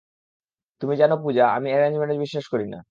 তুমি জানো পূজা, আমি অ্যারেঞ্জ ম্যারেজ বিশ্বাস করি না।